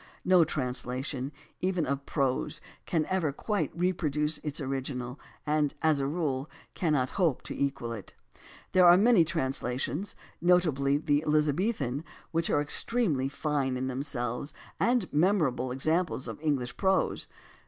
No translation even of prose can ever quite reproduce its original, and, as a rule, cannot hope to equal it. There are many translations, notably the Elizabethan, which are extremely fine in them selves and memorable examples of English prose.